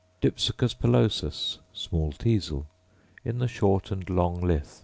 Dipsacus pilosus, small teasel, — in the Short and Long Lith.